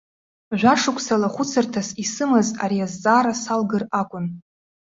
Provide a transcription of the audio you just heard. Жәашықәсала хәыцырҭас исымаз ари азҵаара салгар акәын.